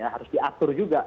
harus diatur juga